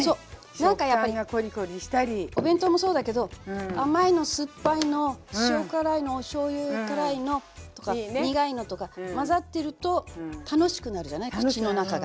何かやっぱりお弁当もそうだけど甘いの酸っぱいの塩辛いのおしょうゆ辛いのとか苦いのとか混ざってると楽しくなるじゃない口の中が。